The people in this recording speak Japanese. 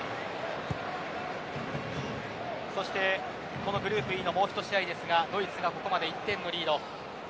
そして、グループＥのもう１試合ですがドイツがここまで１点のリード。